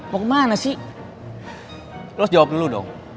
lo harus jawab dulu dong